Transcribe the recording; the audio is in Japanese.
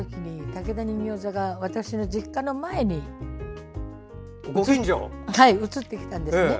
竹田人形座が私の実家の前に移ってきたんですね。